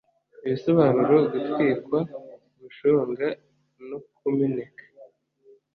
Ibisobanuro, gutwikwa, gushonga, no kumeneka